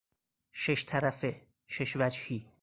شش طرفه، شش وجهی